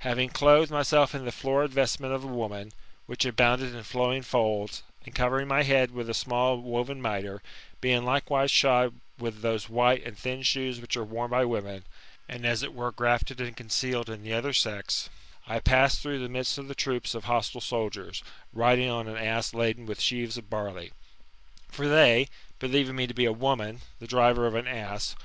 Having clothed myself in the florid vestment of a woman, which abounded in flowing folds, and covering my head with a small woven mitre, being likewise shod with those white and thin shbes which are worn by women, and as it were ingrafted and concealed in the other sex, I passed through the midst of the troops of hostile soldiers, riding on an ass laden with sheaves of barley. For they, believing me to be a woman, the driver of an ass.